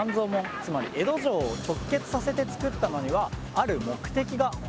つまり江戸城を直結させて作ったのにはある目的がありました。